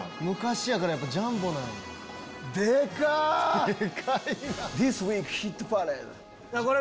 昔やからジャンボなんや。